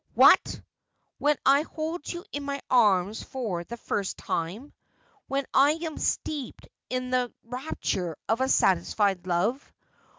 ' What ! when I hold you in my arms for the first time ?— when I am steeped in the rapture of a satisfied love